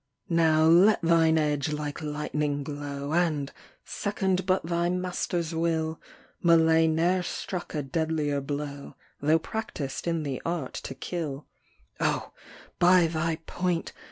167 Now let thine edge like lightning glow, And, second but thy master's will, Malay ne'er struck a deadlier blow, Though practis'd in the art to kill. O ! by thy point